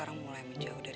berarti lalu ini nggak keren